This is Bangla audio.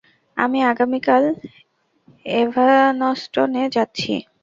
আমি আগামী কাল এভানষ্টনে যাচ্ছি।